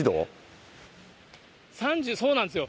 そうなんですよ。